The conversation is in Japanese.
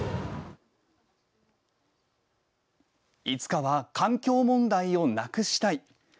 いつかは環境問題をなくしたい。